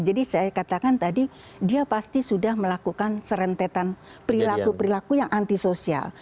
jadi saya katakan tadi dia pasti sudah melakukan serentetan perilaku perilaku yang antisosial